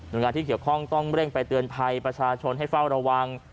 โดยงานที่เกี่ยวข้องต้องเร่งไปเตือนภัยประชาชนให้เฝ้าระวัง